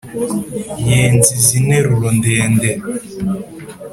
yenze izi nteruro ndende *,